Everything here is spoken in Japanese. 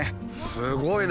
すごいね。